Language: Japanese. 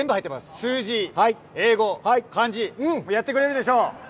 数字、英語、漢字、もうやってくれるでしょう。